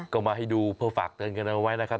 ก็มาให้ดูเพื่อฝากเตือนกันเอาไว้นะครับ